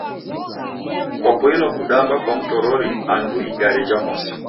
Kwapoilwa kudamba kwa mtorori andu igare jha mosi?